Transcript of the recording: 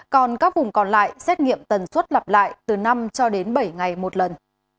còn các vùng còn lại xét nghiệm tần suất lặp lại từ năm cho đến bảy ngày một lần